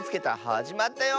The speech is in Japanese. はじまったよ。